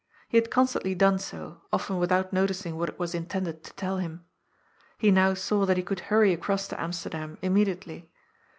He had constantly done so, often without noticing what it was intended to tell him. He now saw that he could hurry across to Amsterdam, immediately.